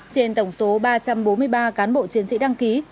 trên tổng số ba trăm bốn mươi ba cán bộ chiến sĩ đăng ký